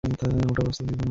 ওটা বাস্তব জীবনেও হয়।